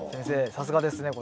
さすがです。